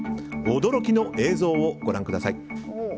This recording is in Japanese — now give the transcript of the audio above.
驚きの映像をご覧ください。